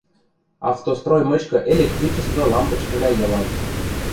Автострой мычкы электричество лампочкывлӓ йылат.